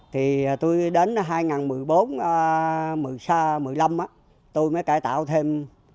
thì tôi đến hai nghìn một mươi bốn hai nghìn một mươi năm tôi mới cải tạo thêm